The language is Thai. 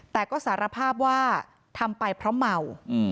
แต่ก็สารภาพว่าทำไปเพราะเมา